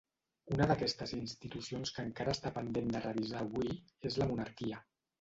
Una d’aquestes institucions que encara està pendent de revisar avui és la monarquia.